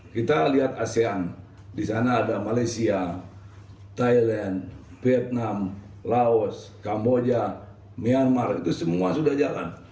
kita lihat asean di sana ada malaysia thailand vietnam laos kamboja myanmar itu semua sudah jalan